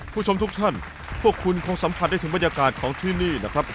ผู้ชมทุกท่านพวกคุณคงสัมผัสได้ถึงบรรยากาศของที่นี่นะครับ